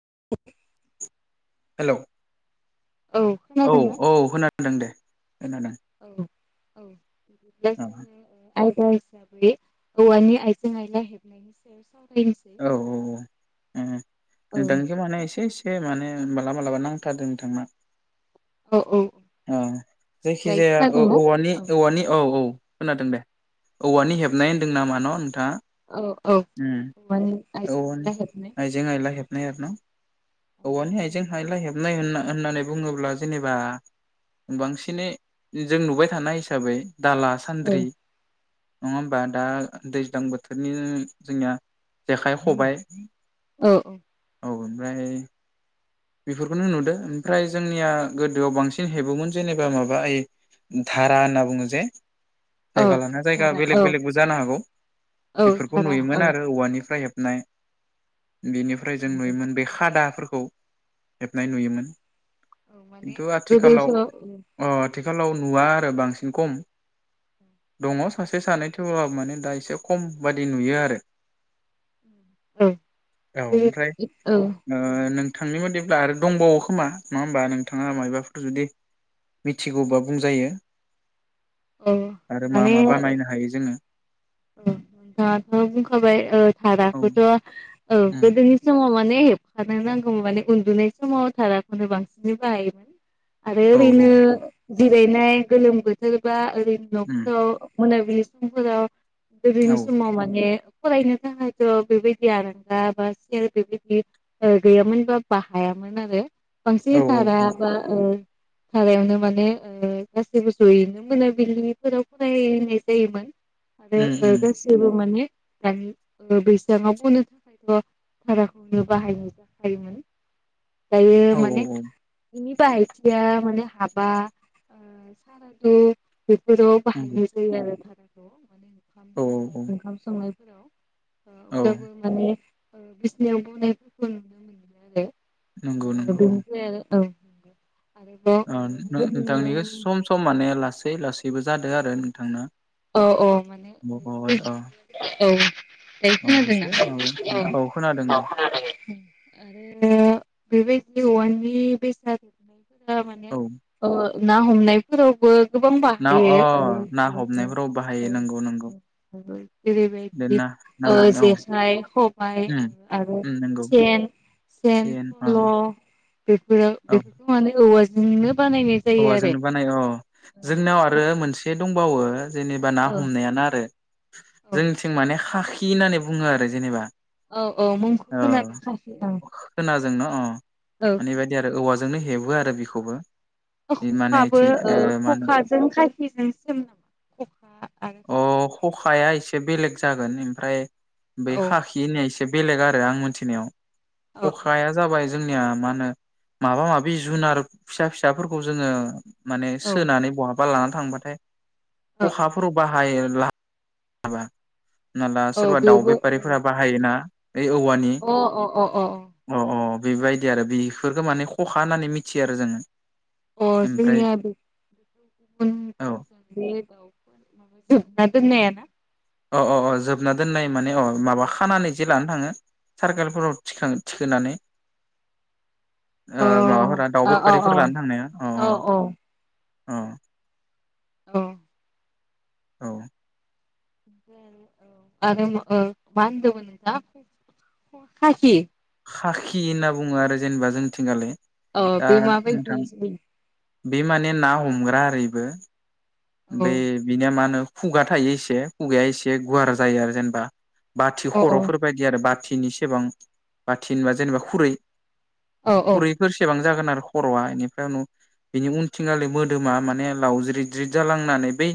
[unintelligible] हेल' औ औ खोनादोंना औ खोनादों दे खोनादों। औ औ होनबा दिनै औवानि आइजें आयला हेबनायनि सायाव सावरायनोसै औ औ औ ओहो औ नोंथांनिखौ माने एसे एसे माने मालाबा मालाबा नांथारदों नोंथांना औ औ। औ जायखि दायो जाया औ खोनादोंना औवानि औवानि औ औ। खोनादों दे औवानि हेबनाय होनदों नामा न'? नोंथाङा औ औ उम औवानि आइजें औवानि आइला हेबनाय आइजें औ आइला हेबनाय आरो न'? औवानि आइजें हायला हेबनाय होनना होननानै बुङोब्ला जेनेबा बांसिनै जों नुबाय थानाय हिसाबै दाला, सान्द्रि नङा होमबा दा दैज्लां बोथोरनि जोंनिया जेखाइ, खबाइ औ औ। औ ओमफ्राय बेफोरखौनो नुदों ओमफ्राय जोंनिया गोदोआव बांसिन हेबोमोन जेनेबा माबा ओइ धारा होनना बुङो जे औ जायगा लाना जायगा थारा औ बेलेग बेलेगबो जानो हागौ औ बेफोरखौ थारा औ नुयोमोन आरो औवानिफ्राय हेब नाय बेनिफ्राय जों नंगौ नुयोमोन बे खादाफोरखौ खौ। हेबनाय नुयोमोन खिन्थु आ गोदोनि समाव आथिखालाव नुवा आरो बांसिन खम दङ' सासे सानै थेवब्लाबो माने दा एसे खम बादि नुयो आरो औ औ ओमफ्राय औ ओ नोंथांनि मादि ब्ला आरो दंबावो खोमा नङा होमबा नोंथाङा मायबाफोर जुदि मिथिगौबा बुंजायो। औ आरो मा मा माने बानायनो हायो जोङो? औ नोंथाङाथ' बुंखाबाय औ धाराखौथ' औ उम गोदोनि समाव माने मे हेबखानो नांगौमोन माने उन्दुनाय समाव थाराखौनो बांसिनै बाहायोमोन। आरो औ ओरैनो जिरायनाय गोलोम बोथोर बा नद उम [inaudible] मना बिलि समाव औ गोदोनि समाव माने फरायनो थाखायथ बेबायदि आरांगा बा सेर बेबायदि गैयामोन बा बाहायामोन आरो औ बांसिन औ थाराबा हारायावनो माने गासैबो जयैनो मोनाबिलिनिफोराव फरायनाय जायोमोन। आरो उम उम गासिबो माने दानि बैसाङाव बो माने थाखायथ भाराखौनो बाहायनाय जाखायोमोन। दायो माने बाहायथिया माने हाबा साराखौ गोदोआव बाहायनाय जायो आरो थार औ माने ओंखाम औ नंगौ औ दोननाय ओंखाम संनाय हेल औ अब्लाबो माने बिसनायाव बनायफोरखौ नुनो मोनो नंगौ आरो नंगौ औ बेदि औ नंगौ आरोबाव ओ बेबायदिनो नोंथांनिखौ सम सम माने लासै लासै लासैबो जादों आरो नोंथांना औ औ माने अ अ औ अ एसे दायखा जोंना माबादों औ खोनादों औ दे आरो बेबायदि नि बेसनानाय माने औ अ ना हमनायफोरावबो गोबां ना अ बाहायो ना हमनायफोराव बाहायो नंगौ नंगौ बे जेरैबायदि ना ना हमनायाव जेखाइ खबाय उम आरो उम नंगौ सेन सेन फल बेफोरो बेफोरखौ माने औवा जोंनो औ जोंनो बानाय औ जोंनियाव आरो मोनसे दं बावो जेनेबा ना औ हमनायानो आरो औ जोंनिथिं माने खाखि खि होननानै बुङो आरो जेनेबा औ औ मुंखौ खोनादोंखासै औ दोंन अ औ मानि बेबायदि आरो औवा जोंनो हेबो आरो बेखौबो माने खखाबो इथि ओ मा होनो खखाजों खाखिजों सेम नामा खखा आरो अ खाखि खखाया एसे बेलेग जागोन ओमफ्राय बे औ खाखि होननायस एसे बेलेग आरो आं मिथिनायाव औ खखाया जाबाय जोंनि मा होनो माबा माबि जुनार फिसा फि फिसाफोरखौ जोङो माने औ सोनानै बहाब बा लाना थांबाथाय औ खखाफोराव बाहायो ला बा होना ला औ सोरबा दाउ बेबो बेफारिफोरा अ बाहाय ना ओइ औवानि अ अ अ अ अ बेबायदि आरो बेफोरखौ माने खखा होननानै मिथियो आरो जोङो अ ओमफ्राय जोंनिया बे गुबुन औ गुबन दाउफोर माबा जोबना दोननाय ना अ अ अ जोबना दोननाय माने अ माबा खानानै जे लानो थाङो सारकालफोरा थिखां-थिखोनानै अ ओ माबाफोरा दाउ अ अ अ बेफारिफोर लानो औ थांनाया अ औ अ औ औ औ आरो मो ओ मा होनदोंमोन नोंथांङा खाखि खाखि होनना बुङो आरो जेनेबा जोंथिंगालाय औ बे मा बादि जायो बे माने ना हमग्रा ओरो एबो औ बे बिनिया मा होनो खुगा थायो एसे खुगाया एसे गुवार जायो आरो जेनेबा बाथि औ औ खर'फोरबायदि आरो बा थिनिसेबां बाथि होनबा जेनेबा खुरै औ खुरैफोरसेबां जागोन आरो खर'आ एनिफ्राय उनाव एनिफ्राय उनथिंगाले मोदोमा माने लावज्रिद ज्रिद जालांनानै बै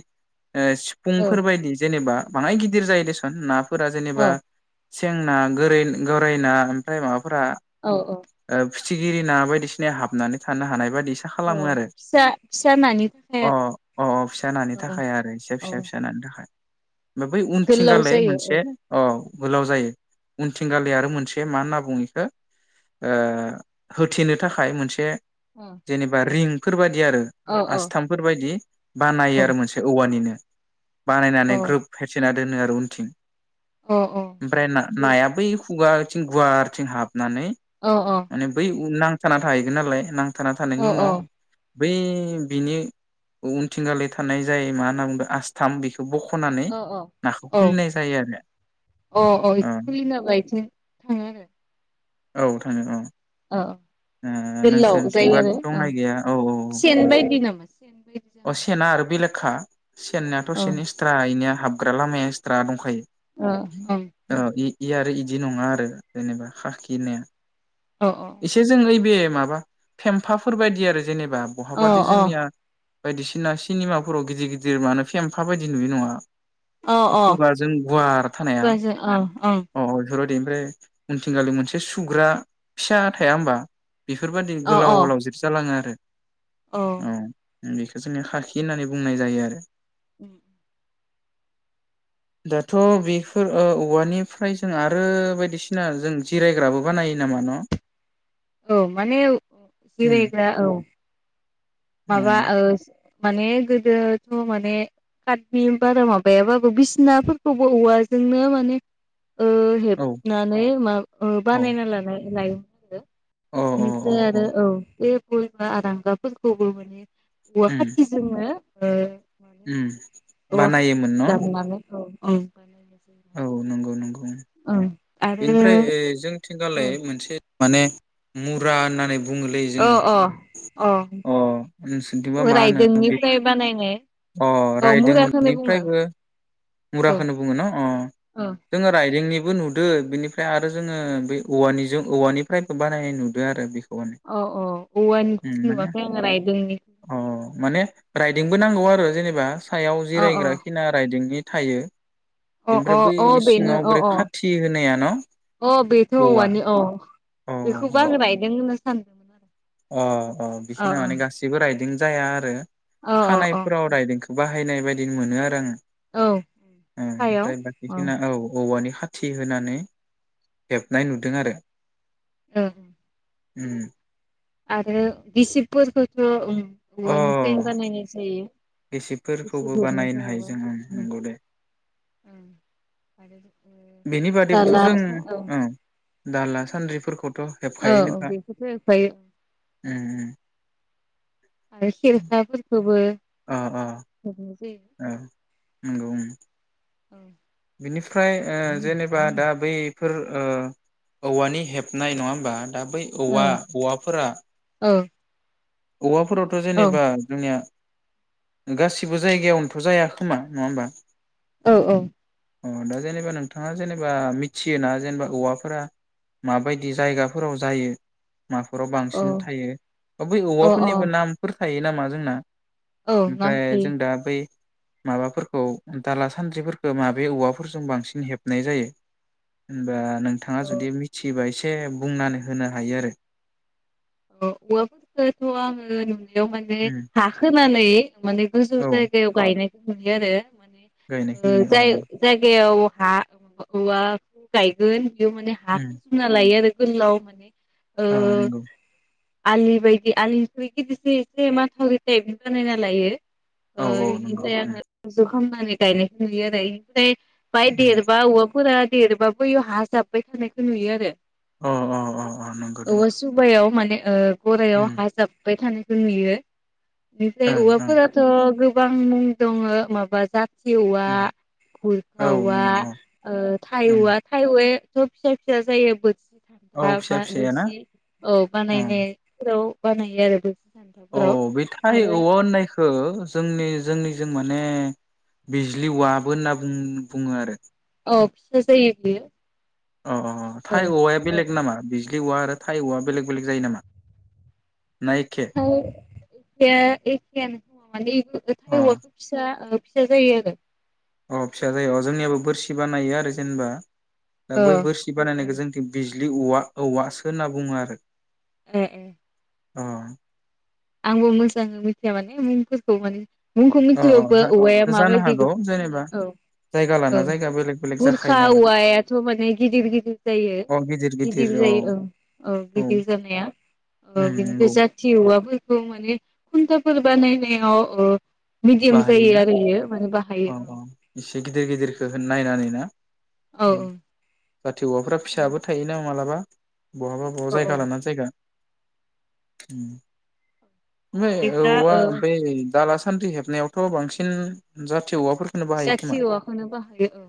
ओ सिफुंफोर बायदिनो जेनेबा बाङाइ गिदिर जायो देसन ना फोरा जेनेबा औ सेंना गोरै-गोरैना ओमफ्राय माबाफोर फोरा औ औ ओब फिथिगिरि ना बायदिसिनाया हाबनानै थानो हानाय बायदि इसा अ खालामो आरो फिसा फिसा नानि थाखाय अ आरो अ अ फिसा नानि थाखाय आरो इसे औ फिसा फिसा नानि थाखाय। ब बै गोलाव उनथिंगालाय जायो मोनसे औ गोलाव जायो उनथिंगाले आरो मोनसे बे मा होनना बुङो बेखो ओ होथेनो थाखाय मोनसे अ जेनेबा रिं फोरबादि बिदि आरो अ औ आस्थामफोरबायदि बानायो औ आरो मोनसे औवा वानिनो बानायनानै अ ग्रोब फेरसिना दोनो आरो उनथिं। अ अ ओमफ्राय ना नाया बै खु खुगाथिं गुवारथिं हाब नानै अ माने बै उ नां थाना थाहैगोन नालाय नां थाना थानायनि उनाव बै बिनि उनथिंगाले थानाय जायो मा होनना बुंदो आस्थाम बेखौ बख'नानै औ औ नाखौ औ खुलिनाय जायो आरो अ अ इखो खुलिना होबा इथिं थाङो आरो औ थाङो अ। औ ओ गोलाव जायो नोंसोरथिंबा आरो औ दंनाय गैया औ औ सेन बायदि नामा सेन बायदि औ जागोन अ'सेना आरो बेले खा‌ सेननायाथ' सनि सिर्थायनिया हाबग्रा लामाया एक्सट्रा दंखायो ओ ओं औ इ आरो इदि नङा आरो जेनेबा हाखि होनाया अ अ बे जों यैबे माबा फेम्फाफोर बायदि आरो जेने बा अ बहाबादि अ जोंनिया बायदिसिना सिनिमाफोराव गिदिर गिदिर मानो फेम्फा बायदि नुयो नङा अ अ खुगाजों गुवार थानाया खुगाजों ओं ओं अ फोर बादि ओमफ्राय उनथिंगालि मोनसे सुग्रा फिसा थाया होमबा बेफोरबायदि अ औ गोलाव ओलाव जोबजालाङो आरो औ बेखौ जोङो खाखि होननानै बुंनाय जायो आरो उम दाथ बेफोर ओ औवानिफ्राय जों आरो बायदिसिना जों जिरायग्राबो बानायो नामा न औ माने उम जिरायग्रा औ अ माबा ओस माने गोदोथ माने कातबि बारा माबायाबाबो बिसिनाफोरखौबो औवाजोंनो माने ओ औ हेबनानै माब औ बानायना लानाय लायो ओ अ अ बेनिफ्राय अ आरो औ बे गुयैना आरांगाबो। खौबो माने उवा उम खाथिजोंनो उम ओ औ खाथिजों बानायोमोन न' दाननानै औ औ औ नंगौ नंगौ ओं बेनिफ्राय ए जोंथिंगालाय अ मोनसे माने मुरा होननानै बु बुङोलै जोङो अ अ अ नोंसोरनिथिं बा मा होनो रायदोंनिफ्राय बानायनाय अ औ मुराखौनो बुङो राइदोंंनिफ्रायबो औ मुराखौनो बुङो न अ औ जोङो राइदोंनि बो नुदों बेनिफ्राय आरो जोङो बे औवानिजों औवानिफ्रायबो बानायनाय नुदों आरो बेखौ माने अ औ औवानिखौ उम माने नुवाखै आङो राइदोंनिं अ माने राइदोंबो नांगौ आरो जेनेबा। सायाव अ अ जिरायग्रा खिना रायदिंगि थायो। अ अ बेनिफ्राय बै अ बेनो सिङाव अ बोरै अ खाथि होनाया न अ बेथ औवा औवानि औ। अ बेखौबो आङो रायदों होननासो सानदोंमोन आरो। अ अ बेखिनिया माने गाससिबो राइदों। जाया आरो। अ अ अ खानायफोराव रायदोंखौ बाहाय बाहायनाय बायदि मोनो आरो आङो। औ आमफ्राय बाखि खिनिया औ औवानि खाथि होनानै हेबनाय नुदों आरो। ओं। उ आरो गिबिसिबफोरखौथ ओम। अ औवानिफ्रायनो बानायनाय जायो। गिसिब गिसिबफोरखौबो बानायनो हायो हेबनायफोराबो जों ओं नंगौ दे ओं आरो ओ बेनि बादैबोथ दाला जों औ। दाला सान्द्रिफोरखौ औ बेखौथ हेबखायो उम आरो उम सेरखाफोरखौबो। अ अ ओ नंगौ उ ओ बिनिफ्राय ओ जेनेबा दा बैफोर ओ औवानि हेबनाय नङा होमबा। दा बै औवा औवाफोरा। औ औवाफोरावथ औ जेनेबा जोंनिया गासिबबो जायगायावनोथ जाया खोमा नङा होमबा? औ औ। अ दा जेनेबा नोंथाङा जेनेबा मिथियोना जेनेबा औवाफोरा माबायदि जायगाफोराव जायो। माफोराव औ बांसिन थायो। औ औ औवाफोरनिबो नामफोर थायो नामा जोंना? औ नाम ओमफ्राय थायो जों दा बे माबाफोरखौ दाला सान्द्रिफोरखौ माबे औवाफोरजों बांसिन हेबनाय जायो होनबा? नोंथाङा जुदि मिथिबाय एसे बुंनानै होनो हायो आरो औवा फोरखौथ' आङो नुनो बेआव माने उम हा खोनानै [unintelligible] माने गोजौ औ जायगायाव गायनाय नुयो आरो। माने गायनायखौ ओ नुयो औ जाय औ जायगायाव हा ओ माबा औवा खौ गायगोन। बेयाव माने हाखौ उम जुमना लायो आरो गोलाव माने अ ओ नंगौ आलि बायदि आलिनिखौ गिदिरसे एसे माथावरि थाइप बानायना लायो। औ ओ औ नंगौ एनिफ्राय उम आङो जों फाहामनानै गायनायखौ नुयो एमनिफ्राय बाय उम देरबा गलाफोरा देरबाबो इयाव हााजाबबाय थानायखौ नुयो आरो। अ अ अ अ नंगौ दे। बेआव माने ओ गराइआव उम हाजाब्बाय थानो [unintelligible] निफ्राय ओं उ उम फाथ' गोबां मुं दङ माबा जा सेेवआ औ गुरखावा नंगौ ओ ओं थायौआ थायुवे सफसस जायो ब औ फिसा फिसायाना [unintelligible] औ बानायनाय फ्राव बानायो आरो बे औ बेथाय औवा होननायखौ जोंनि जोंनि जों माने बिजलि वाबो होनना बुं बुङो आरो [unintelligible] अ औ थाय औवाया औ बेलेग नामा लि औवा आरो थाय औवा बेलेक बेलेग जायो नामा ना एखे ख एखेयानो माने थ अ औवाखौ फिसा फिसा जायो आरो अ फिसा जायो जोंनियाबो बोरसि बानायो आरो जेनेबा दा बै बोरसि औ बानायनायखौ जों बिज दलि औवा औवा सो होनना बुङो आरो ओ ओ अ आंबो मोजाङै मिथिया माने मुंफोरखौ माने मुंखौ अ मिथिबबो जा औवाया जानो माबायदि हागौ बेखौ जेनेबा औ जायगा औ लाना जायगा बेलेग बेलेग जाखायो खुरखा नालाय औवायाथ' माने गिदिर गिदिर जायो गिदिर जायो औ औ गिदिर जानाया औ उम बेनिफ्राय नंगौ जाथि औवाफोर माने खुन्थाफोर बानायनायाव मिडियाम जायो बाहायोना आरो इयो माने बाहायो अ अ औ एसे गिदिर गिदिरखौ होन नायनानै ना औ जाथि औवाफ्रा फिसाबो थायोना मालाबा [unintelligible] [inaudible] बहाबा बहा औ जायगा औ लानानानै जायगा [inaudible] ओमफ्राय बिदिब्ला औवा ओ दाला बै सान सान्थि ह नायावथ' बांसिन औवाफोरखौनो बाहायो खोमा जाथि औवाखौनो बाहायो औ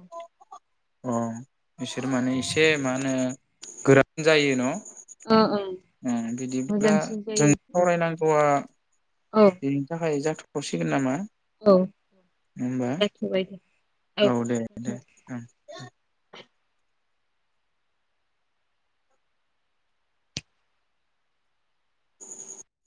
अ बिसोर माने एसे मा होनो गोरान जाय न' ओ ओं बिदिब्ला मोजांसिन जों जायो सावरायनांगौआ औ औ बेनि थाखाय जाथ सिगोन नामा औ होनबा जाथ'बाय दे औ दे जाथ'बाय दे ओं [unintelligible]